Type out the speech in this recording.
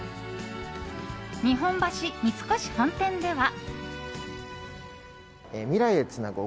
日本橋三越本店では。